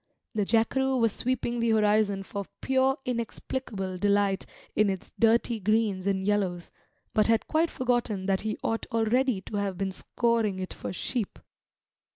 The jackeroo was sweeping the horizon for pure inexplicable delight in its dirty greens and yellows; but had quite forgotten that he ought already to have been scouring it for sheep.